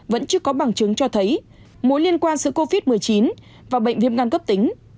vẫn chưa có bằng chứng cho thấy mối liên quan giữa covid một mươi chín và bệnh viêm gan cấp tính